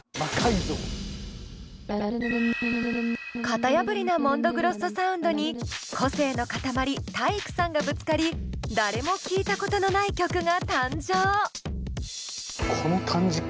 型破りなＭＯＮＤＯＧＲＯＳＳＯサウンドに個性の塊体育さんがぶつかり誰も聴いたことのない曲が誕生！